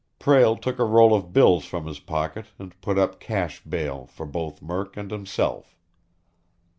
Prale took a roll of bills from his pocket and put up cash bail for both Murk and himself.